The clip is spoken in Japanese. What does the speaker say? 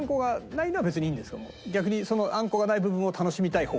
逆にそのあんこがない部分を楽しみたい方？